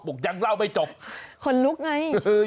ยังเล่าไม่จบคนลุกไง